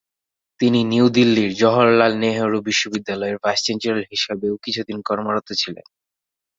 তিনি নিউ দিল্লির জওহরলাল নেহরু বিশ্ববিদ্যালয়ের ভাইস চ্যান্সেলর হিসেবেও কিছুদিন কর্মরত ছিলেন।